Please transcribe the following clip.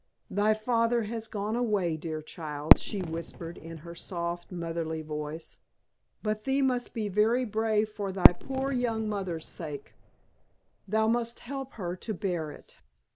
"Thy father has gone away, dear child," she whispered in her soft, motherly voice. "But thee must be very brave for thy poor young mother's sake. Thou must help her to bear it."